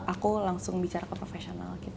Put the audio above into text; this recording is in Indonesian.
aku langsung bicara ke profesional